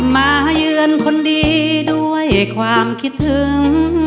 มาเยือนคนดีด้วยความคิดถึง